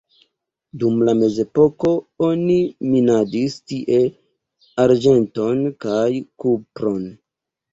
Dum la mezepoko oni minadis tie arĝenton kaj kupron.